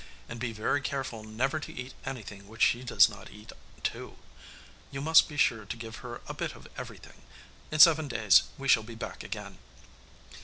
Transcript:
And be very careful never to eat anything which she does not eat too. You must be sure to give her a bit of everything. In seven days we shall be back again.